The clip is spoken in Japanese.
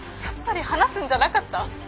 やっぱり話すんじゃなかった。